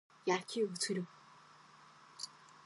野球をする。